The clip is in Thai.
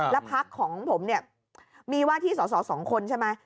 แล้วพักของผมเนี่ยมีว่าที่สอสอ๒คนใช่ไหม